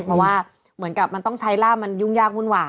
เพราะว่าเหมือนกับมันต้องใช้ร่ามมันยุ่งยากวุ่นวา